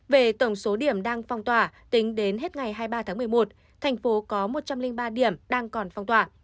về tổng số điểm đang phong tỏa tính đến hết ngày hai mươi ba tháng một mươi một thành phố có một trăm linh ba điểm đang còn phong tỏa